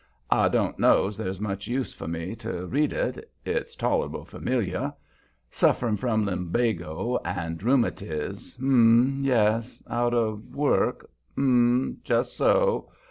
I don't know's there's much use for me to read it it's tolerable familiar. 'Suffering from lumbago and rheumatiz' um, yes. 'Out of work' um, just so.